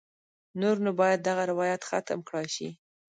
نور نو باید دغه روایت ختم کړای شي.